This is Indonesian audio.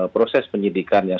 proses penyidikan yang